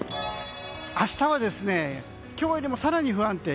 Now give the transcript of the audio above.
明日は今日よりも更に不安定。